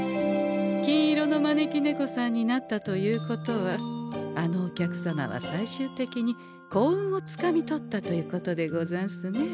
金色の招き猫さんになったということはあのお客様は最終的に幸運をつかみ取ったということでござんすね。